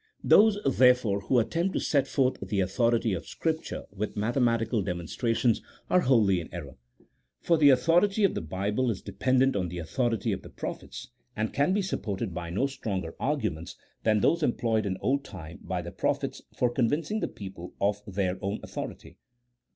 Those, therefore, who attempt to set forth the authority of Scripture with mathematical demonstrations are wholly in error : for the authority of the Bible is dependent on the authority of the prophets, and can be supported by no stronger arguments than those employed in old time by the prophets for convincing the people of their own authority.